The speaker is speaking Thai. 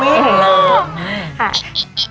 อุ๊ยน่ารัก